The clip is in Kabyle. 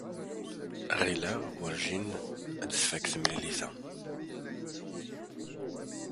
Ɣileɣ werjin ad tfak temlilit-a.